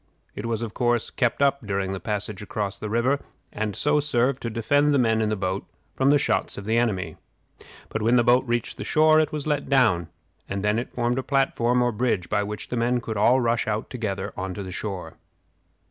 It was, of course, kept up during the passage across the river, and so served to defend the men in the boat from the shots of the enemy. But when the boat reached the shore it was let down, and then it formed a platform or bridge by which the men could all rush out together to the shore.